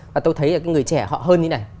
và tôi thấy là cái người trẻ họ hơn như này